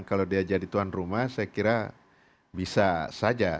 kalau dia jadi tuan rumah saya kira bisa saja